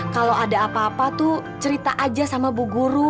kalau ada apa apa tuh cerita aja sama bu guru